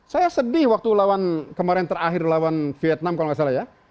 saya sedih waktu lawan kemarin terakhir lawan vietnam kalau nggak salah ya